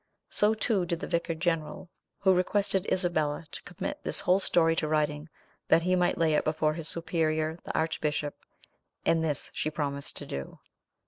So, too, did the vicar general, who requested Isabella to commit this whole story to writing, that he might lay it before his superior, the archbishop, and this she promised to do.